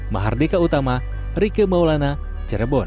mahardika utama rike maulana cirebon